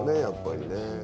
やっぱりね。